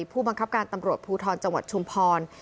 ผู้บังคับการตำรวจภูทรจังหวัดชุมพร